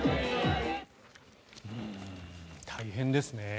大変ですね。